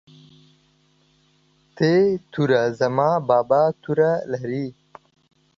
ت توره زما بابا توره لري